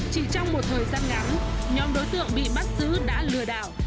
chỉ trong một thời gian ngắn nhóm đối tượng bị bắt giữ đã lừa đảo